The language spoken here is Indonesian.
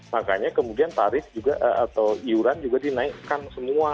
makanya kemudian tarif juga atau iuran juga dinaikkan semua